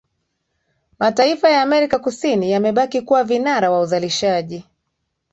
Mataifa ya amerika kusini yamebaki kuwa vinara wa uzalishaji